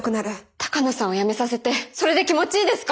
鷹野さんを辞めさせてそれで気持ちいいですか？